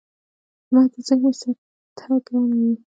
• لمر د ځمکې سطحه ګرموي.